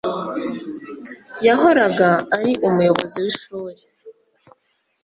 Yahoraga ari umuyobozi w'ishuri.